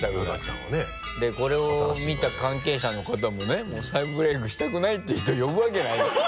でこれを見た関係者の方もねもう再ブレイクしたくないって人を呼ぶわけないから